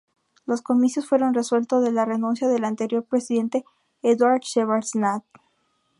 Los comicios fueron resultado de la renuncia del anterior Presidente Eduard Shevardnadze.